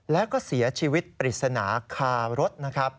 แล้วก็เสียชีวิตปริศนาคารถนะครับ